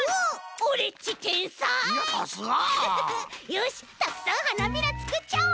よしたくさんはなびらつくっちゃおう！